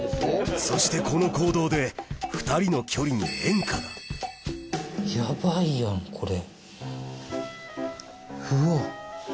そしてこの行動で２人の距離にヤバいやんこれ。